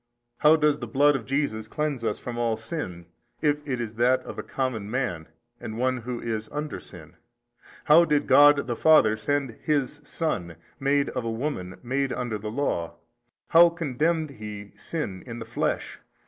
how does the Blood of Jesus cleanse us from all sin, if it is that of a common man and one who is under sin? how did God the Father send His Son, made of a woman, made under the law? how condemned He sin in the flesh?